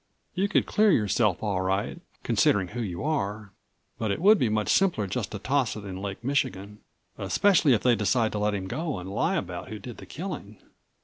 You could clear yourself all right, considering who you are. But it would be much simpler just to toss it into Lake Michigan, especially if they decide to let him go and lie about who did the killing."